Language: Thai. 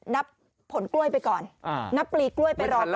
นับผลกล้วยไปก่อนนับปลีกล้วยไปรอก่อน